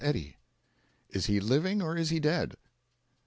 EDDY IS HE LIVING OR IS HE DEAD?